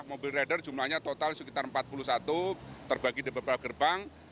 mobil rider jumlahnya total sekitar empat puluh satu terbagi di beberapa gerbang